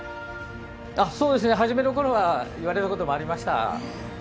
そうですね初めのころは言われることもありました。